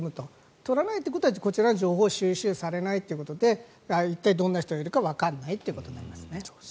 取らないとこちらの情報を収集されないということで一体、どんな人がいるかわからないということになりますね。